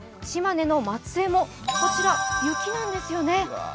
島根の松江もこちら雪なんですよね。